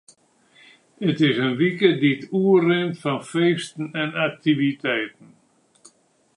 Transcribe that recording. It is in wike dy't oerrint fan feesten en aktiviteiten.